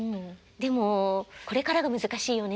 でも「これからが難しいよね」